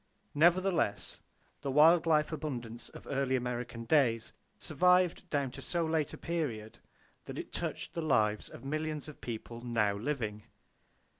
Nevertheless, the wild life abundance of early American days survived down to so late a period that it touched the lives of millions of people now living.